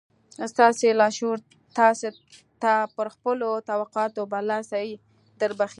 ستاسې لاشعور تاسې ته پر خپلو توقعاتو برلاسي دربښي